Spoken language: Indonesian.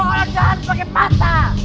lu orang jahat pake mata